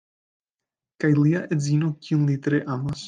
kaj lia edzino kiun li tre amas